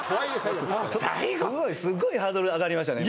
最後すごいハードル上がりましたね